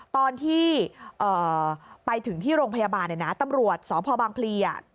ตอนที่ไปถึงที่โรงพยาบาลตำรวจสพพลี